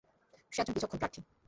সে একজন বিচক্ষণ প্রার্থী।